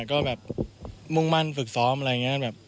ต้องมั่นฝึกซ้อมอะไรอย่างนี้